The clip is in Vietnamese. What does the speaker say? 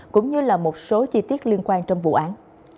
cũng như là một số chi tiết liên quan trong vụ án